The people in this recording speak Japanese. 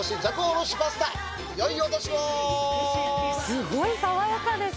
すごい爽やかです。